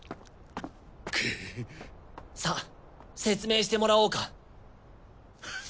さぁ説明してもらおうか。